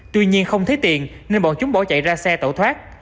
tuy nhiên không thấy tiền nên bọn chúng bỏ chạy ra xe tẩu thoát